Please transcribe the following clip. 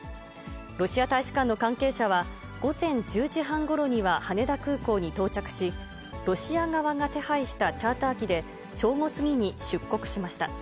ロシア大使館の関係者は、午前１０時半ごろには羽田空港に到着し、ロシア側が手配したチャーター機で、正午過ぎに出国しました。